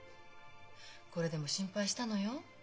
これでも心配したのよ。